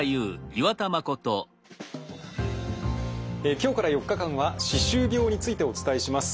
今日から４日間は歯周病についてお伝えします。